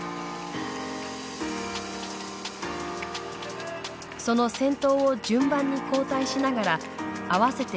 その先頭を順番に交代しながら合わせて６周を滑る。